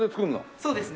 そうですね。